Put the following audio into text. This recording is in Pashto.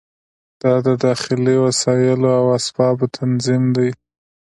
دا د داخلي وسایلو او اسبابو تنظیم دی.